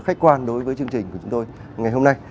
khách quan đối với chương trình của chúng tôi ngày hôm nay